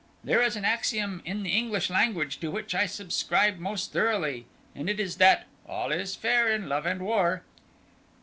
There is an axiom in the English language to which I subscribe most thoroughly, and it is that 'all is fair in love and war.'"